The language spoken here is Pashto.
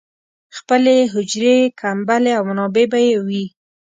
خپلې حجرې، کمبلې او منابع به یې وې.